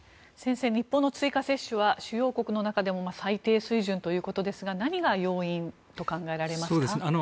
先生、日本の追加接種は主要国の中でも最低水準ということですが何が要因と考えられますか？